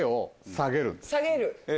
下げる。